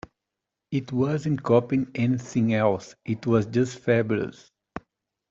It wasn't copying anything else; it was just fabulous.